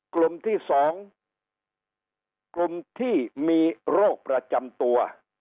กลุ่มที่๒กลุ่มที่มีโรคประจำตัว